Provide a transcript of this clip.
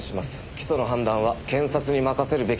起訴の判断は検察に任せるべきでしょう。